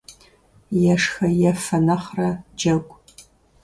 Ешхэ-ефэ нэхърэ джэгу.